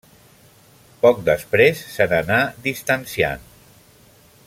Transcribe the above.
Poc després se n'anà distanciant.